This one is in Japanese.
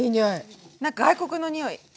なんか外国のにおい。ね！